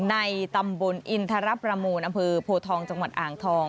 ในตำบลอินทรพรมูนอโธงจังหวัดอ่างทอง